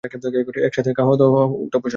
একসাথে খাওয়া-দাওয়া উঠা-বসা।